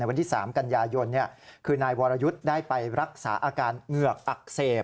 วันที่๓กันยายนคือนายวรยุทธ์ได้ไปรักษาอาการเหงือกอักเสบ